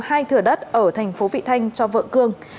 hai thừa đất ở tp vị thanh cho vợ cương